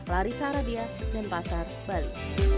larissa radia denpasar bali